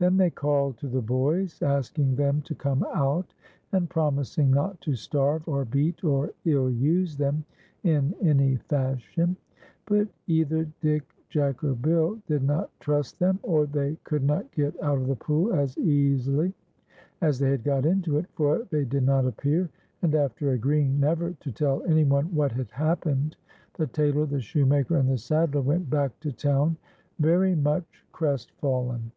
Then they called to the boys, asking them to come out, and promising not to starve or beat or ill use them in any fashion ; but either Dick, Jack, or Bill did not trust them, or they could not get out of the pool as easily as they had got into it, for they did not appear, and after agreeing never to tell any one what had happened, the tailor, the shoemaker, and the saddler went back to town vcr\' much crestfallen.